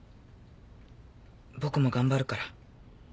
僕も頑張るから。